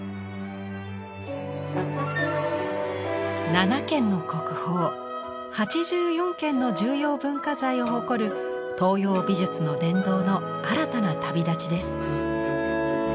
７件の国宝８４件の重要文化財を誇る東洋美術の殿堂の新たな旅立ちです。